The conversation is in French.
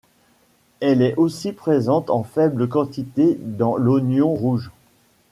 Elle est aussi présente en faible quantité dans l'oignon rouge.